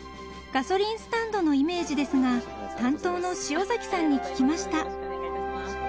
［ガソリンスタンドのイメージですが担当の塩崎さんに聞きました］